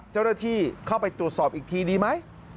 เจ้าหน้าที่เข้าไปตรวจสอบอีกทีดีไหม